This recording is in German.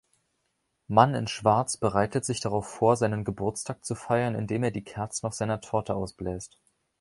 Mann in Schwarz bereitet sich darauf vor, seinen Geburtstag zu feiern, indem er die Kerzen auf seiner Torte ausbläst.